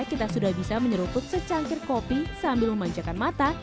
kita sudah bisa menyeruput secangkir kopi sambil memanjakan mata